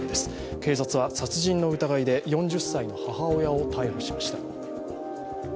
警察は殺人の疑いで４０歳の母親を逮捕しました。